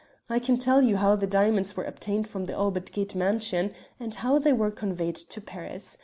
I can tell you how the diamonds were obtained from the Albert Gate mansion, and how they were conveyed to Paris.